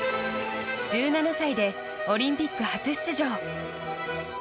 １７歳でオリンピック初出場。